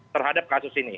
terhadap kasus ini